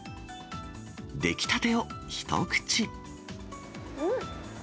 出来たてを一口。